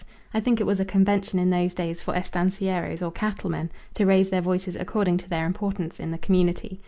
I think it was a convention in those days for estancieros or cattlemen to raise their voices according to their importance in the community.